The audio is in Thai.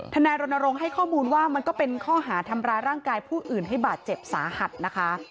นายรณรงค์ให้ข้อมูลว่ามันก็เป็นข้อหาทำร้ายร่างกายผู้อื่นให้บาดเจ็บสาหัสนะคะ